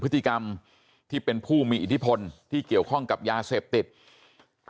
พฤติกรรมที่เป็นผู้มีอิทธิพลที่เกี่ยวข้องกับยาเสพติด